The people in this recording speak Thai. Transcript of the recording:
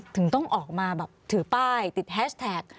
ถึงต้องออกมาแบบถือป้ายติดแฮชแท็ก